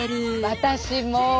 私も。